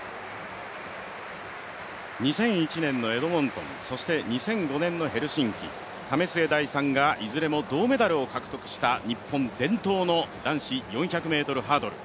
２００１年のエドモントン、そして２００５年のヘルシンキ、為末大さんがいずれも銅メダルを獲得した日本伝統の男子４００ｍハードル。